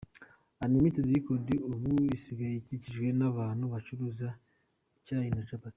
Unlimited records ubu isigaye ikikijwe n'ahantu bacuruza icyayi na capati .